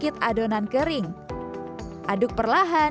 saya memanjaro reenalt boiled pregunta untuk dia dan benih ku setelah fileh dan